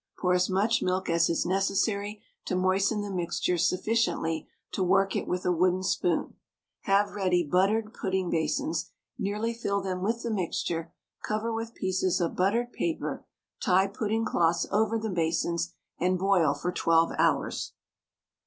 Pour as much milk as is necessary to moisten the mixture sufficiently to work it with a wooden spoon. Have ready buttered pudding basins, nearly fill them with the mixture, cover with pieces of buttered paper, tie pudding cloths over the basins, and boil for 12 hours.